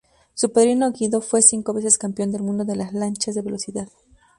Su padre Guido fue cinco veces campeón del mundo de lanchas de velocidad.